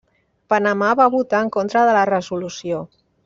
Panamà va votar en contra de la resolució.